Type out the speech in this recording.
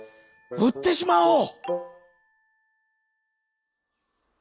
うってしまおう」。